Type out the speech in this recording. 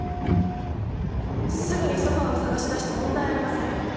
すぐにソファを探しだして問題ありません。